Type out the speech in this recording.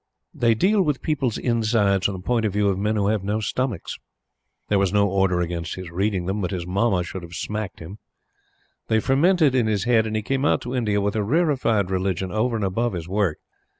] They deal with people's insides from the point of view of men who have no stomachs. There was no order against his reading them; but his Mamma should have smacked him. They fermented in his head, and he came out to India with a rarefied religion over and above his work.